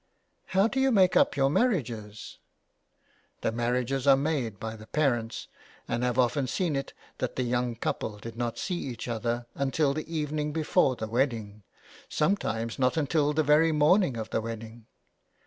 ''" How do you make up your marriages ?"" The marriages are made by the parents, and I've often seen it that the young couple did not see each other until the evening before the wedding — some times not until the very morning of the wedding.